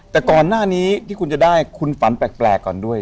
แต่ก่อนหน้านี้ที่คุณจะได้คุณฝันแปลกก่อนด้วย